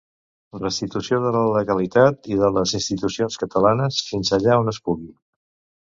Restitució de la legalitat i de les institucions catalanes, fins allà on es pugui.